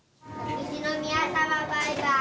秋篠宮さま、バイバーイ。